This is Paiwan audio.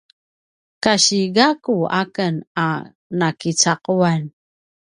kasi gakku aken a nakicaquan